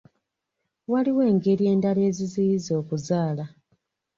Waliwo engeri endala eziziyiza okuzaala.